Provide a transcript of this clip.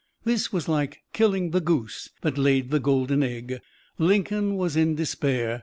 This was like "killing the goose that laid the golden egg." Lincoln was in despair.